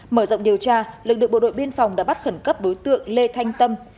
mở rộng điều tra lực lượng bộ đội biên phòng đã bắt khẩn cấp đối tượng lê thanh tâm